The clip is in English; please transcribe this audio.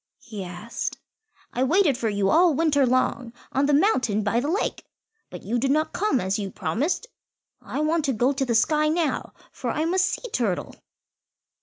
he asked; "I waited for you all winter long on the mountain by the lake, but you did not come as you promised. I want to go to the sky now, for I must see Turtle."